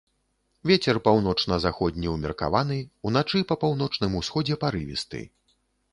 Вецер паўночна-заходні ўмеркаваны, уначы па паўночным усходзе парывісты.